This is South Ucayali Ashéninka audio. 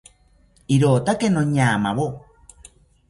¡Irotake noñamawo!